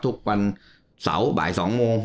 ทุกวันเสาร์บ่าย๒โมง